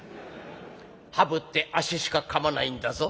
ハブって足しかかまないんだぞ」。